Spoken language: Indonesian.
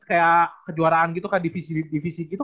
kayak kejuaraan gitu kak divisi divisi gitu